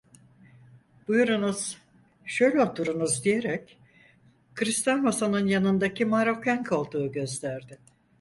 "Buyurunuz, şöyle oturunuz!" diyerek, kristal masanın yanındaki maroken koltuğu gösterdi.